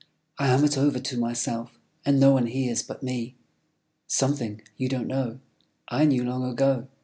I hum it over to myself, And no one hears but me. Something You don't know! I knew long ago.